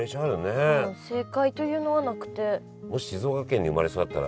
正解というのはなくて。